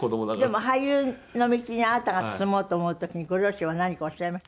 でも俳優の道にあなたが進もうと思う時にご両親は何かおっしゃいました？